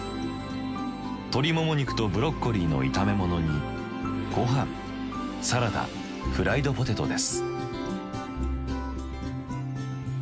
鶏もも肉とブロッコリーの炒め物にごはんサラダフライドポテトです。